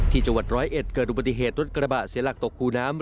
ที่จังหวัด๑๐๑เกิดอุปติเหตุรถกระบะเสียหลักตกคู่น้ำ